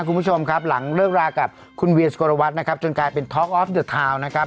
คุณผู้ชมครับหลังเลิกรากับคุณเวียสกลวัตรนะครับจนกลายเป็นท็อกออฟเดอร์ทาวน์นะครับ